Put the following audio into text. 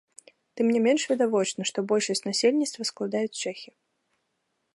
Тым не менш відавочна, што большасць насельніцтва складаюць чэхі.